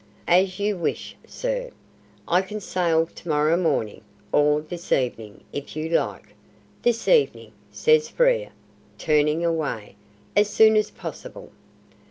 "As you wish, sir. I can sail to morrow morning or this evening, if you like." "This evening," says Frere, turning away; "as soon as possible."